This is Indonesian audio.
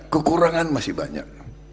kekurangan masih banyak